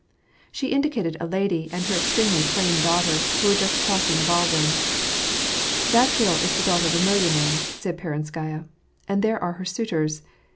She indicated a lady and her extremely plain daughter, who were just crossing the ballroom. <' That girl is the daughter of a millionnaire," said Peron skaya ;" and there are her suitors.